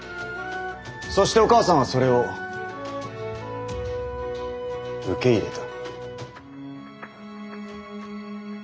そしてお母さんはそれを受け入れた。